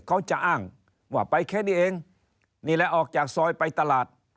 เขาจะอ้างว่าไปแค่นี้เองนี่แหละออกจากซอยไปตลาด